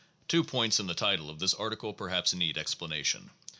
• Two points in the title of this article perhaps need explanation.